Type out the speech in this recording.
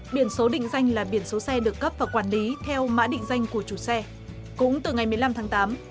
biển số định danh là biển số xe được cấp và quản lý theo mã định danh của chủ xe cũng từ ngày một mươi năm tháng tám